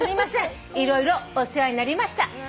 「色々お世話になりました」